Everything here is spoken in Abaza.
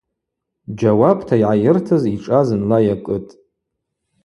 Джьауапта йгӏайыртыз йшӏа зынла йакӏытӏ.